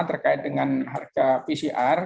terkait dengan harga pcr